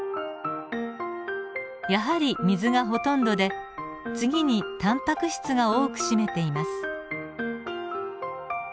やはり水がほとんどで次にタンパク質が多く占めています。